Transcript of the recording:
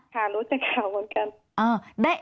ค่ะรู้จากข่าวเหมือนกัน